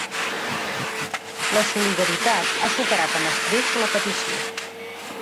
La solidaritat ha superat amb escreix la petició.